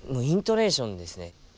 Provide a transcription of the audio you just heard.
イントネーションですね。